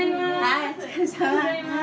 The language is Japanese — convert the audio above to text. ありがとうございます。